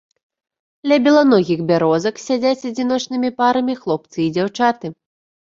Ля беланогіх бярозак сядзяць адзіночнымі парамі хлопцы і дзяўчаты.